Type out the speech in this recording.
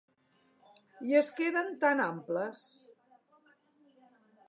I es queden tan amples.